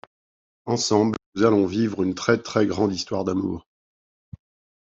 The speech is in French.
Ensemble, nous allons vivre une très, très grande histoire d'amour...